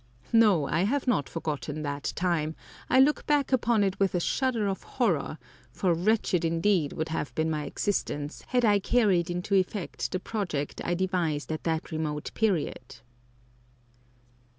No, I have not forgotten that time; I look back upon it with a shudder of horror, for wretched indeed would have been my existence had I carried into effect the project I devised at that remote period!